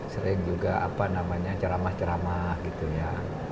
sering juga apa namanya ceramah ceramah gitu ya